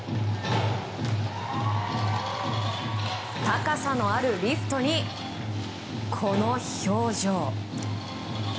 高さのあるリフトにこの表情。